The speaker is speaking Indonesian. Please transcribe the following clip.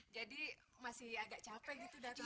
jadi masih agak capek gitu datu